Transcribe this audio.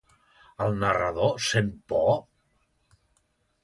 El narrador sent por?